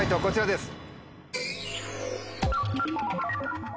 こちらです。